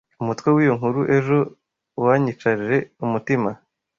umutwe w’iyo nkuru ejo wanyicaje umutima